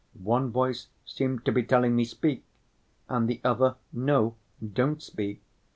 One voice seemed to be telling me, 'Speak,' and the other 'No, don't speak.